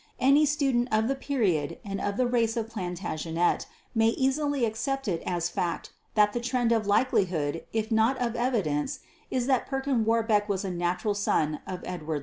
Any student of the period and of the race of Plantagenet may easily accept it as fact that the trend of likelihood if not of evidence is that Perkin Warbeck was a natural son of Edward IV.